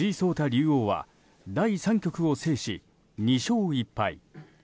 竜王は第３局を制し２勝１敗。